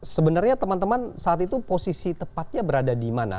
sebenarnya teman teman saat itu posisi tepatnya berada di mana